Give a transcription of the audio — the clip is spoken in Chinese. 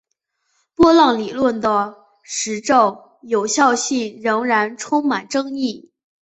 波浪理论的实证有效性仍然充满争议。